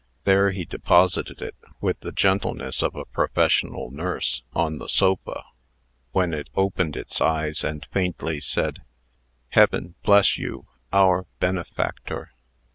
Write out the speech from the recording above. There he deposited it, with the gentleness of a professional nurse, on the sofa, when it opened its eyes, and faintly said, "Heaven bless you, our benefactor!"